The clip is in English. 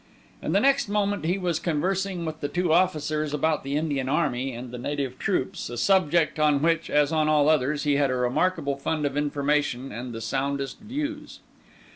And the next moment he was conversing with the two officers about the Indian army and the native troops, a subject on which, as on all others, he had a remarkable fund of information and the soundest views.